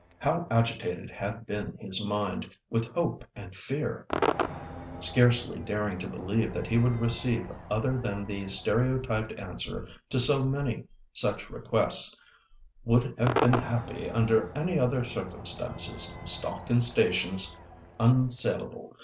How agitated had been his mind with hope and fear! Scarcely daring to believe that he would receive other than the stereotyped answer to so many such requests—"Would have been happy under any other circumstances. Stock and stations unsalable.